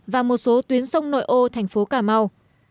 và một số tuyến sông nội ô thành phố cà mau